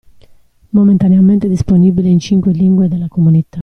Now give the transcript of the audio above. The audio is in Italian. Momentaneamente disponibile in cinque lingue della comunità.